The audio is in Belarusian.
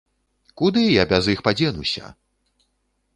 Куды я без іх падзенуся?!